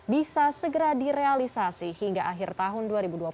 bisa segera direalisasi hingga akhir tahun dua ribu dua puluh satu